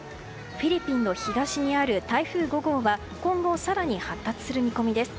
フィリピンの東にある台風５号は今後、更に発達する見込みです。